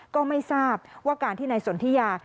ก็ไม่ทราบว่าการที่นายสนทิยา